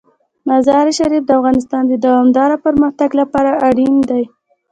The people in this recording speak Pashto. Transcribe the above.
مزارشریف د افغانستان د دوامداره پرمختګ لپاره اړین دي.